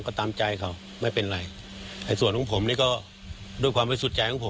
ก็ตามใจเขาไม่เป็นไรในส่วนของผมนี่ก็ด้วยความบริสุทธิ์ใจของผม